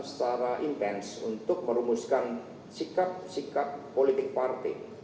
secara intens untuk merumuskan sikap sikap politik partai